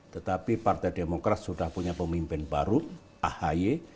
tetapi partai demokrat sudah punya pemimpin baru ahi